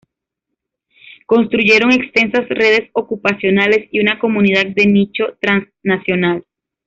Construyeron extensas redes ocupacionales y una comunidad de nicho transnacional.